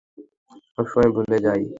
সবসময় ভুলে যায়।